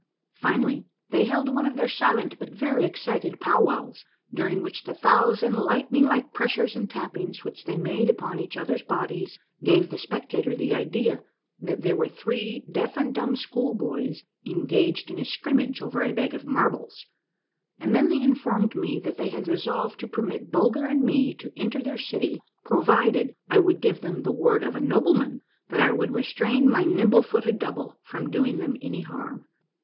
Finally, they held one of their silent but very excited powwows, during which the thousand lightning like pressures and tappings which they made upon each other's bodies gave the spectator the idea that they were three deaf and dumb schoolboys engaged in a scrimmage over a bag of marbles, and then they informed me that they had resolved to permit Bulger and me to enter their city provided I would give them the word of a nobleman that I would restrain my nimble footed double from doing them any harm.